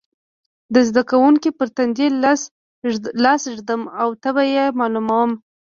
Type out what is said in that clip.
د زده کوونکي پر تندې لاس ږدم او تبه یې معلوموم.